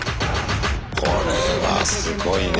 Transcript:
これはすごいね。